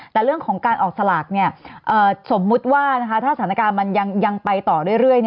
แต่เรื่องของการออกสลากสมมุติว่าถ้าสถานการณ์มันยังไปต่อเรื่อย